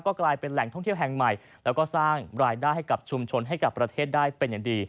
กลายเป็นแหล่งท่องเที่ยวแห่งใหม่แล้วก็สร้างรายได้ให้กับชุมชนให้กับประเทศได้เป็นอย่างดี